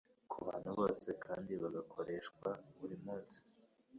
ku bantu bose kandi bigakoreshwa buri munsi.